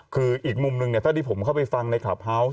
คืออีกมุมนึงเนี่ยเท่าที่ผมเข้าไปฟังในคลับเฮาส์